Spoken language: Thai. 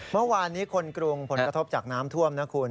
เมื่อวานนี้คนกรุงผลกระทบจากน้ำท่วมนะคุณ